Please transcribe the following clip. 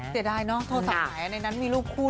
เสียดายเนาะโทรศัพท์ในครั้งนั้นมีรูปคู่